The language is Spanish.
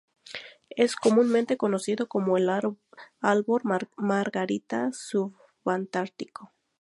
Es comúnmente conocido como el Árbol margarita subantártico.